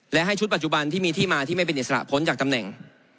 และให้ชุดปัจจุบันที่มีที่มาที่ไม่เป็นอิสระพ้นจากตำแหน่ง